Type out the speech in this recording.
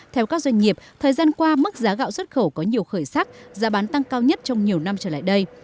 theo các doanh nghiệp thời gian qua mức giá gạo xuất khẩu có nhiều khởi sắc giá bán tăng cao nhất trong nhiều năm trở lại đây